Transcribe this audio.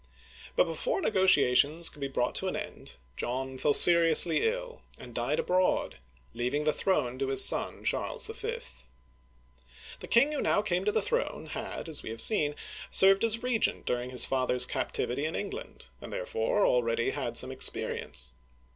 But before negotiations could be brought to an end, John fell seriously ill, and died abroad, leaving the throne to his son Charles V. The king who now came to the throne, had, as we have seen, served as regent during his father's captivity in Eng land, and therefore already had some experience.